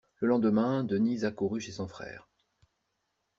Le lendemain, Denise accourut chez son frère.